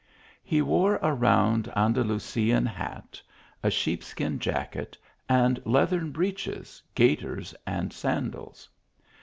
He wore a round Andalusian hat, a sheepskin jacket, and leathern breeches, gaiters, and sandals.